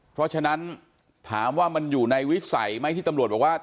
เพราะฉะนั้นถามว่ามันอยู่ในวิสัยไหมที่ตำรวจบอกว่า